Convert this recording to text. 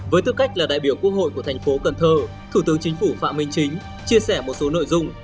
với tư cách là đại biểu quốc hội của thành phố cần thơ thủ tướng chính phủ phạm minh chính chia sẻ một số nội dung